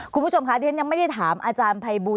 คุณผู้ชมคะที่ฉันยังไม่ได้ถามอาจารย์ภัยบูล